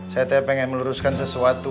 saya pengen meluruskan sesuatu